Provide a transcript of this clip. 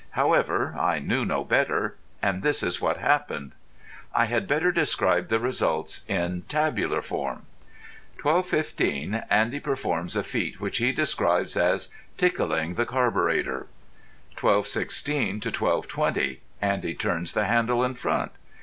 However, I knew no better, and this is what happened. I had better describe the results in tabular form:— 12.15. Andy performs a feat which he describes as "tickling the carburetter." 12.16 12.20. Andy turns the handle in front.